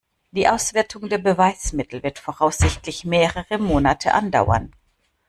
Die Auswertung der Beweismittel wird voraussichtlich mehrere Monate andauern.